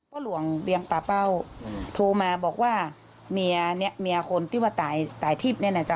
หลวงเรียงป่าเป้าโทรมาบอกว่าเมียเนี้ยเมียคนที่ว่าตายตายทิพย์เนี่ยนะจ๊